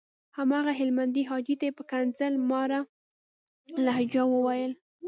هماغه هلمندي حاجي ته یې په ښکنځل ماره لهجه وويل.